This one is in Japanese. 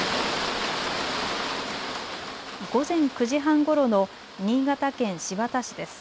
午前９時半ごろの新潟県新発田市です。